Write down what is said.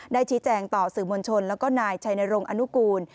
ได้ชี้แจงต่อสื่อมณชนกับนายชัยในโรงอานุกูล